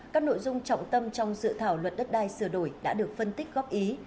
các nội dung trọng tâm trong dự thảo luật đất đai sửa đổi đã được phân tích góp ý